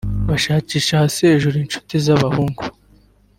bashakisha hasi hejuru inshuti z’abahungu